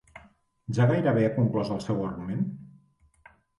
Ja gairebé ha conclòs el seu argument?